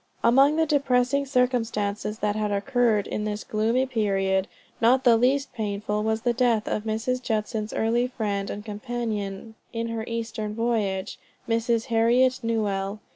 Among the depressing circumstances that had occurred in this gloomy period, not the least painful was the death of Mrs. Judson's early friend, and companion in her eastern voyage, Mrs. Harriet Newell.